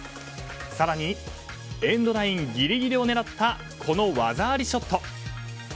更にエンドラインギリギリを狙ったこの技ありショット。